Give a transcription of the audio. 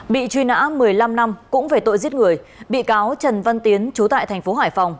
bị truy nã một mươi năm năm cũng về tội giết người bị cáo trần văn tiến chú tại thành phố hải phòng